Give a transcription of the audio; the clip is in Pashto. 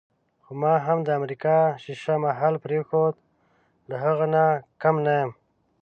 خو ما هم د امریکا ښیښه محل پرېښود، له هغه نه کم نه یم.